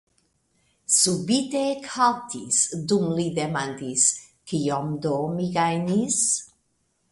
Subite ekhaltis, dum li demandis: Kiom do mi gajnis?